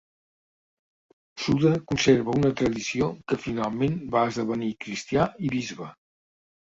Suda conserva una tradició que Finalment va esdevenir cristià i bisbe.